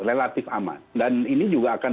relatif aman dan ini juga akan